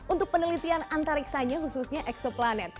untuk penelitian antariksanya khususnya eksoplanet